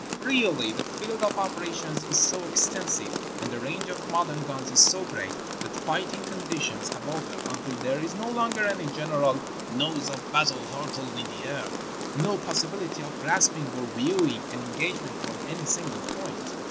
Really, the field of operations is so extensive, and the range of modern guns is so great, that fighting condi tions have altered, until there is no longer any general *' noise of battle hurtled in the air," no possibility of 458 A MODERN BATTLEFIELD grasping or viewing an engagement from any single point.